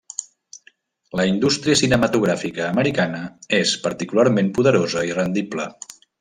La indústria cinematogràfica americana és particularment poderosa i rendible.